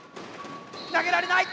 投げられない！